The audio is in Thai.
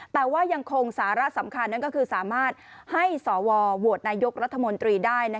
แต่ว่ายังคงสาระสำคัญนั่นก็คือสามารถให้สวโหวตนายกรัฐมนตรีได้